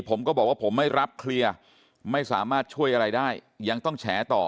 ผมก็บอกว่าผมไม่รับเคลียร์ไม่สามารถช่วยอะไรได้ยังต้องแฉต่อ